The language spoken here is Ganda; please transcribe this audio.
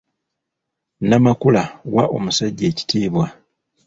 Namakula wa omusajja ekitiibwa.